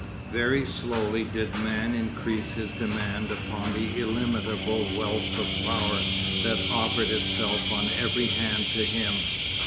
Very slowly did man increase his demand upon the illimitable wealth of Power that offered itself on every hand to him.